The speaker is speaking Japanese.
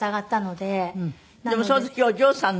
でもその時お嬢さんが。